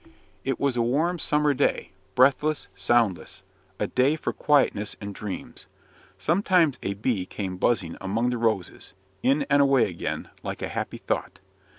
It was a warm summer day breathless, soundless a day for quietness and dreams. Sometimes a bee came buzzing among the roses, in and away again, like a happy thought.